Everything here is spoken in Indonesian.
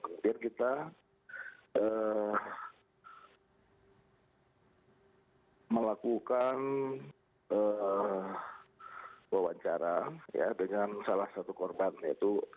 kemudian kita melakukan wawancara dengan salah satu korban yaitu